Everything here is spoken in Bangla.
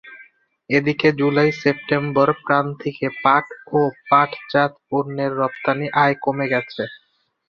এদিকে জুলাই সেপ্টেম্বর প্রান্তিকে পাট ও পাটজাত পণ্যের রপ্তানি আয় কমে গেছে।